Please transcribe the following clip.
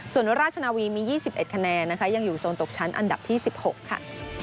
ส่วนราชนาวีมี๒๑คะแนนนะคะยังอยู่โซนตกชั้นอันดับที่๑๖ค่ะ